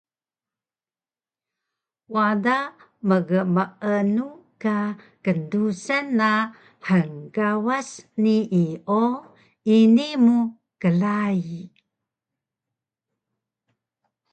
Wada mgmeenu ka kndusan na hngkawas snii o ini mu klai